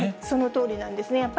そのとおりなんですね。